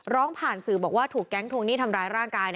ร้องผ่านสื่อบอกว่าถูกแก๊งทวงหนี้ทำร้ายร่างกาย